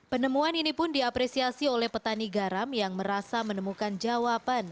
penemuan ini pun diapresiasi oleh petani garam yang merasa menemukan jawaban